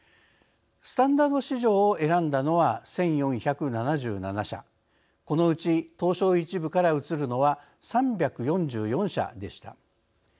スタンダード市場を選んだのは１４７７社このうち、東証１部から移るのは３４４社でした。